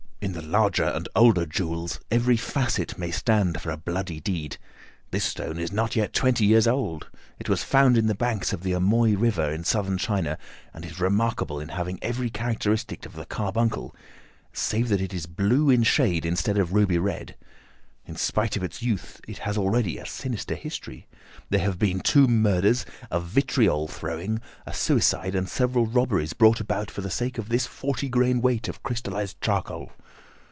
In the larger and older jewels every facet may stand for a bloody deed. This stone is not yet twenty years old. It was found in the banks of the Amoy River in southern China and is remarkable in having every characteristic of the carbuncle, save that it is blue in shade instead of ruby red. In spite of its youth, it has already a sinister history. There have been two murders, a vitriol throwing, a suicide, and several robberies brought about for the sake of this forty grain weight of crystallised charcoal.